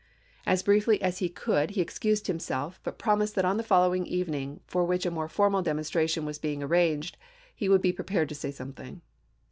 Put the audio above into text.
As briefly as he could he excused himself, but promised that on the following evening, for which a more formal demonstration was being arranged, he would be prepared to say something.